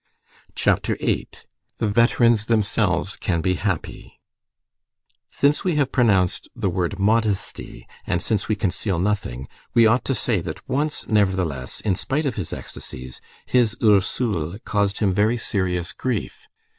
CHAPTER VIII—THE VETERANS THEMSELVES CAN BE HAPPY Since we have pronounced the word modesty, and since we conceal nothing, we ought to say that once, nevertheless, in spite of his ecstasies, "his Ursule" caused him very serious grief.